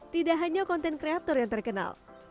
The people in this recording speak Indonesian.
tidak hanya konten kreator yang terkenal